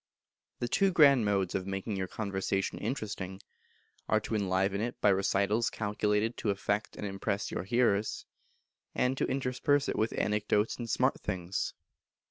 The Two Grand Modes of making your conversation interesting, are to enliven it by recitals calculated to affect and impress your hearers, and to intersperse it with anecdotes and smart things.